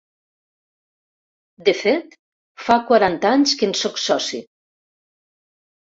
De fet, fa quaranta anys que en sóc soci.